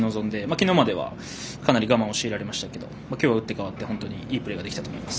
昨日まではかなり我慢を強いられましたが今日は打って変わっていいプレーができたと思います。